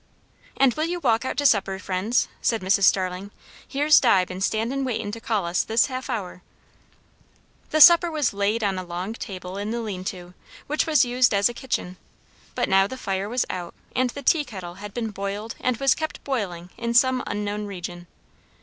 "And will you walk out to supper, friends?" said Mrs. Starling. "Here's Di been standin' waitin' to call us this half hour." The supper was laid on a long table in the lean to, which was used as a kitchen; but now the fire was out, and the tea kettle had been boiled and was kept boiling in some unknown region.